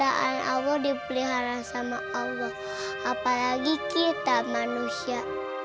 ya allah dipelihara sama allah apalagi kita manusia